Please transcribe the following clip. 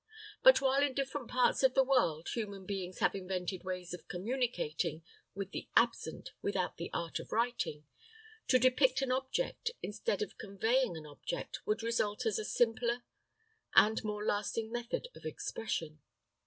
But while in different parts of the world human beings have invented ways of communicating with the absent without the art of writing, to depict an object instead of conveying an object, would result as a simpler and more lasting method of expression.